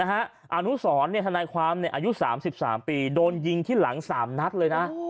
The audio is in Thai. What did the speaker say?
อนุสรทนายความอายุ๓๓ปีโดนยิงที่หลัง๓นัดเลยนะ